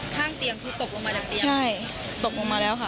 ข้างเตียงคือตกลงมาจากเตียงใช่ตกลงมาแล้วค่ะ